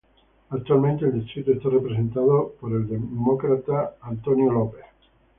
Actualmente el distrito está representado por el Demócrata Scott Peters.